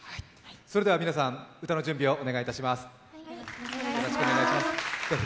皆さん、歌の準備をお願いいたします。